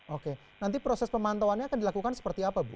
oke nanti proses pemantauannya akan dilakukan seperti apa bu